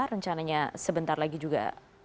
rencananya sebentar lagi juga